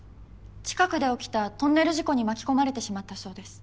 近くで起きたトンネル事故に巻き込まれてしまったそうです。